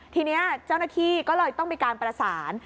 ทีนี้เจ้าหน้าที่ก็เลยต้องมีการประสาน